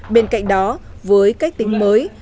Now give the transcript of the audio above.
bên cạnh đó với cách tính mới